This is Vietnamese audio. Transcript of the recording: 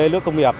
nước công nghiệp